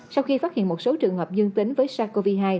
sau khi phát hiện một số trường hợp dương tính với sars cov hai